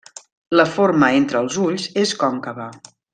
La forma entre els ulls és còncava.